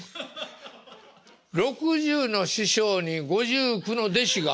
５９６０の師匠に５９の弟子が。